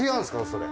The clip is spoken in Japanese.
それ。